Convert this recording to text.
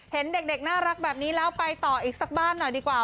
เห็นเด็กน่ารักแบบนี้แล้วไปต่ออีกสักบ้านหน่อยดีกว่า